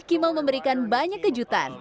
kimmel memberikan banyak kejutan